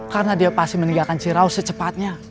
karena dia pasti meninggalkan cireus secepatnya